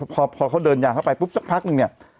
พอเขาเดินยางเข้าไปปุ๊บสักพักนึงเนี่ย